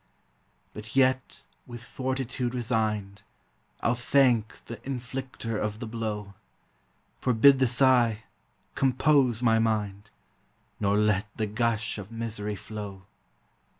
But xot, with fortitude resigned, I '11 thank the intlicter of the blow; Forbid the sigh, compose my mind, Nor let the gush of misery How.